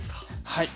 はい！